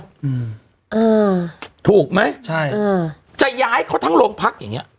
อืมเออถูกไหมใช่อ่าจะย้ายเขาทั้งโรงพักอย่างเงี้